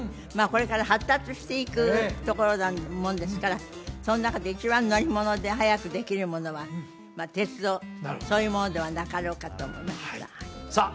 これから発達していくところなもんですからその中で一番乗り物で早くできるものは鉄道そういうものではなかろうかと思いましたさあ